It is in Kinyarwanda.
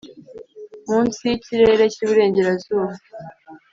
munsi yikirere cyiburengerazuba.